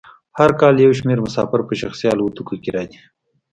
هر کال یو شمیر مسافر په شخصي الوتکو کې راځي